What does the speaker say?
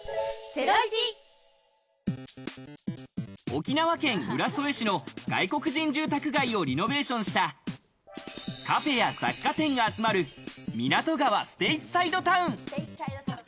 沖縄県浦添市の外国人住宅街をリノベーションしたカフェや雑貨店が集まる港川ステイツサイドタウン。